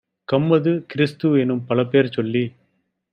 கம்மது, கிறிஸ்து-எனும் பலபேர் சொல்லிச்